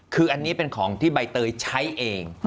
คืออันนี้เป็นของที่ใบเตยใช้เอง